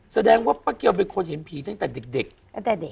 แสดงว่าป้าเกียวเป็นคนเห็นผีตั้งแต่เด็กตั้งแต่เด็ก